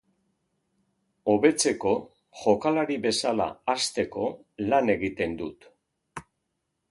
Hobetzeko, jokalari bezala hazteko lan egiten dut.